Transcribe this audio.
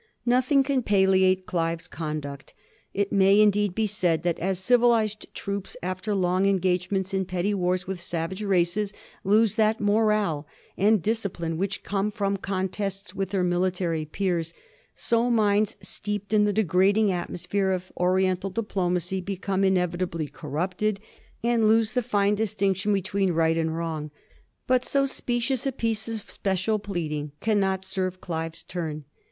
Nothing can palliate dive's conduct. It may, indeed, be said that as civilized troops after long engagements in petty wars with savage races lose that morale and discipline which come from contests with their military peers, so minds steeped in the degrading atmosphere of Oriental diplomacy become in evitably corrupted, and lose the fine distinction between right and wrong. But so specious a piece of special pleading cannot serve Olive's turn.